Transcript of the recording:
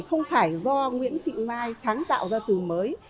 không phải do nguyễn thị mai sáng tạo ra từ mới